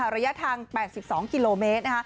ระยะทาง๘๒กิโลเมตร